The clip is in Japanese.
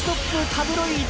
タブロイド。